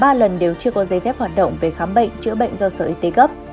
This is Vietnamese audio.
ba lần đều chưa có giấy phép hoạt động về khám bệnh chữa bệnh do sở y tế cấp